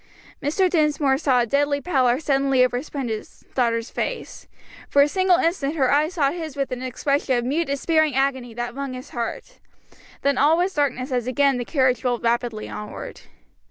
Mr. Dinsmore saw a deadly pallor suddenly overspread his daughter's face; for a single instant her eyes sought his with an expression of mute despairing agony that wrung his heart; then all was darkness as again the carriage rolled rapidly onward.